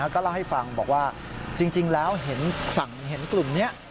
ก็เล่าให้ฟังบอกว่าจริงแล้วเห็นฝั่งเห็นกลุ่มนี้